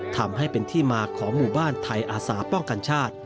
ทำให้เป็นที่มาของหมู่บ้านไทยอาสาป้องกันชาติ